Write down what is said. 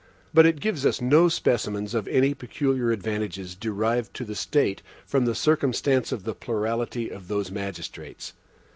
But it gives us no specimens of any peculiar advantages derived to the state from the circumstance of the plurality of those magistrates.